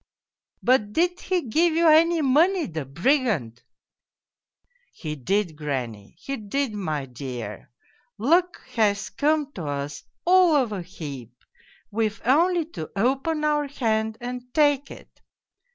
"' But did he give you any money, the brigand ?'' He did, granny, he did, my dear luck has come to us all of a heap : we've only to open our hand and take it.'